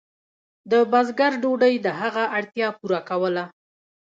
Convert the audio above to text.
د بزګر ډوډۍ د هغه اړتیا پوره کوله.